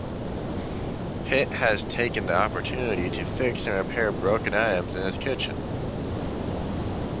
Pitt has taken the opportunity to fix and repair broken items in his kitchen.